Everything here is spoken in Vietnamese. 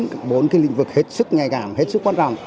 các bốn lĩnh vực hết sức nhạy cảm hết sức quan trọng